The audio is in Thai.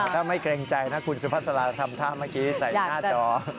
ถ้าไม่เกรงใจนะคุณสุภาษาลาทำท่าเมื่อกี้ใส่หน้าจอ